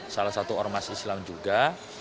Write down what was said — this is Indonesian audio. salah satu ormas islam juga